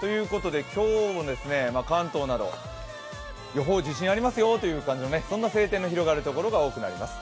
今日も関東など、予報、自信ありますよという、そんな晴天が広がるところが多くなります。